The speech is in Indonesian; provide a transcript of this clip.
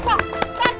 itu kakak itu kakak